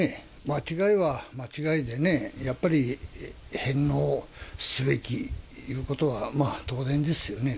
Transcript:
間違いは間違いでね、やっぱり返納すべきいうことは、当然ですよね。